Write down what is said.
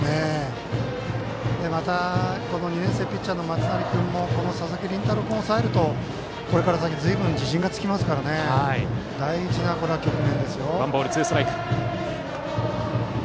また２年生ピッチャーの松成君もこの佐々木麟太郎君を抑えるとこれから先、ずいぶん自信がつきますからここは大事な局面ですよ。